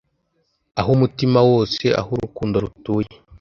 Ah Umutima wose aho urukundo rutuye